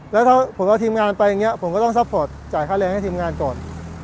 แล้วถ้าผมเอาทีมงานไปอย่างนี้ผมก็ต้องซัพพอร์ตจ่ายค่าแรงให้ทีมงานก่อน